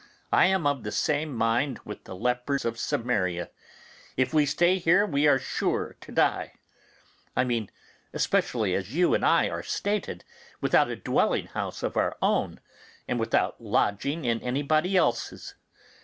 I am of the same mind with the lepers of Samaria: 'If we stay here we are sure to die', I mean especially as you and I are stated, without a dwelling house of our own, and without lodging in anybody else's.